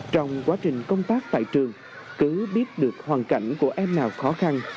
trong quá trình công tác tại trường cứ biết được hoàn cảnh của em nào khó khăn